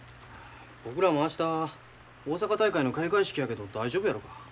僕らも明日大阪大会の開会式やけど大丈夫やろか。